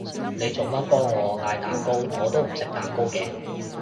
你做乜幫我嗌蛋糕？我都唔食蛋糕嘅